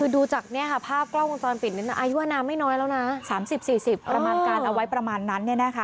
ดูจากภาพกล้องวงจรปิดนี้อายุอาณาไม่น้อยแล้วนะ๓๐๔๐ประมาณนั้น